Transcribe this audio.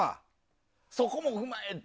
そこも踏まえて。